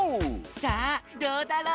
さあどうだろう？